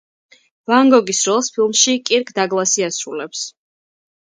ვან გოგის როლს ფილმში კირკ დაგლასი ასრულებს.